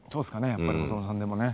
やっぱり細野さんでもね。